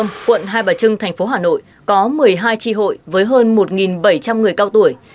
quận hai bà trưng thành phố hà nội có một mươi hai tri hội với hơn một bảy trăm linh người cao tuổi